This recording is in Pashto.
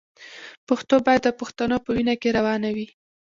پښتو باید د پښتنو په وینه کې روانه وي.